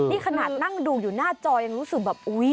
นี่ขนาดนั่งดูอยู่หน้าจอยังรู้สึกแบบอุ๊ย